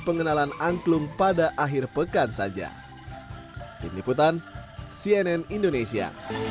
pengenalan angklung pada akhir pekan saja tim liputan cnn indonesia